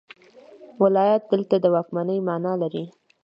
ولایت دلته د واکمنۍ معنی لري.